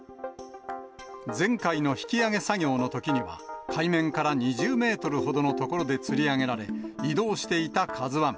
前回の引き揚げ作業のときには、海面から２０メートルほどの所でつり上げられ、移動していたＫＡＺＵＩ。